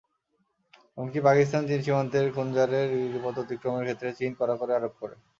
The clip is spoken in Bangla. এমনকি পাকিস্তান-চীন সীমান্তের খুঞ্জারেব গিরিপথ অতিক্রমের ক্ষেত্রে চীন কড়াকড়ি আরোপ করে।